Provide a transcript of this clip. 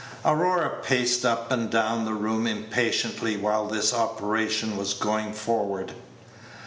Aurora paced up and down the room impatiently while this operation was going forward.